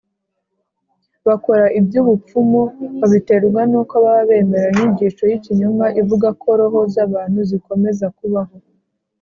Bakora iby ubupfumu babiterwa n uko baba bemera inyigisho y ikinyoma ivuga ko roho z abantu zikomeza kubaho